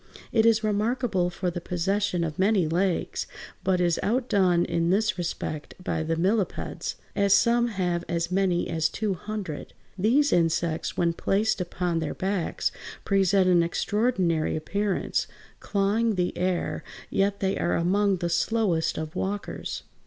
It is remarkable for the possession of many legs, but is outdone in this respect by the millipeds, as some (Fig. 164) have as many as two hundred. These insects, when placed upon their backs, present an extraordinary appearance, clawing the air; yet they are among the slowest of walkers.